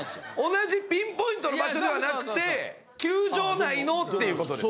同じピンポイントの場所ではなくて球場内のっていうことですか？